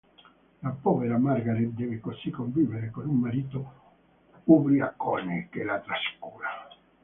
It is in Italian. La povera Margaret deve così convivere con un marito ubriacone che la trascura.